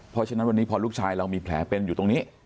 เพราะฉะนั้นวันนี้พอลูกชายเรามีแผลเป็นอยู่ตรงนี้